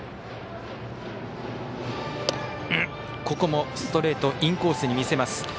ここもストレートインコースに見せます。